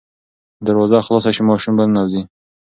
که دروازه خلاصه شي ماشوم به ننوځي.